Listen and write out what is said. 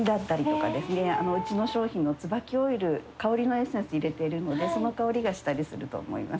うちの商品のつばきオイル香りのエッセンス入れてるのでその香りがしたりすると思います。